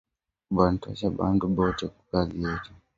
Banatosha bantu bote kukazi yetu